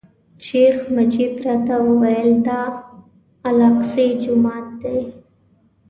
شیخ مجید راته وویل، دا الاقصی جومات دی.